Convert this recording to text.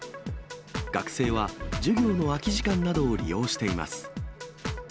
学生は授業の空き時間などを利用しています。